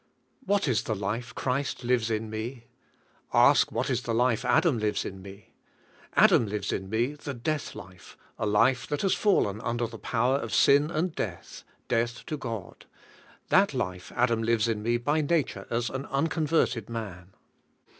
What is the life Christ lives in me ? Ask what is the life Adam lives in me? Adam lives in me the death life, a life that has fallen under the power of sin and death, death to God. That life Adam lives in me by nature as an unconverted man.